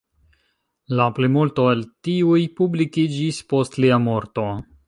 La plimulto el tiuj publikiĝis post lia morto.